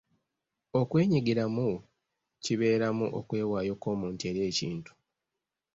Okwenyigiramu kibeeramu okwewaayo kw'omuntu eri ekintu.